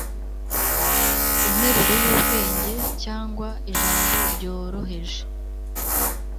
interuro y'ubwenge, cyangwa ijambo ryoroheje